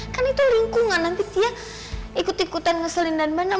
kan itu lingkungan nanti dia ikut ikutan ngeselin dan mana